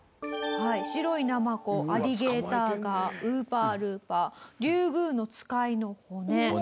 白いナマコアリゲーターガーウーパールーパーリュウグウノツカイの骨。